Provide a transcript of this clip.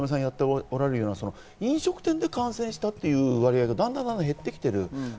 平山さんがやっておられるような飲食店で感染したという割合がだんだん減ってきている。